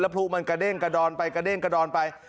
พลุมันกระเด้งกระดอนไปกระเด้งกระดอนไป